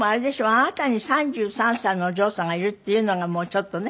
あなたに３３歳のお嬢さんがいるっていうのがもうちょっとね